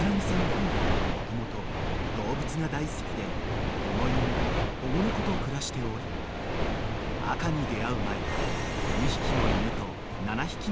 夫婦はもともと動物が大好きで保護犬保護猫と暮らしており赤に出会う前は］